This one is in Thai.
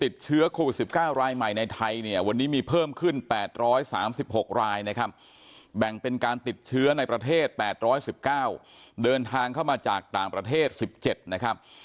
เดินทางเข้ามาจากต่างประเทศ๑๗นะครับ